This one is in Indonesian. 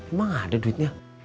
emang ada duitnya